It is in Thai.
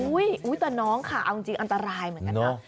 อุ๊ยแต่น้องค่ะเอาจริงอันตรายเหมือนกันนะ